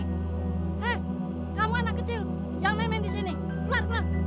hei kamu anak kecil jangan main main di sini mark mark